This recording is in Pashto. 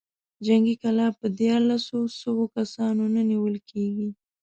جنګي کلا په ديارلسو سوو کسانو نه نېول کېږي.